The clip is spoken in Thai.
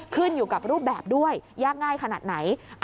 ขึ้นอยู่กับรูปแบบด้วยยากง่ายขนาดไหน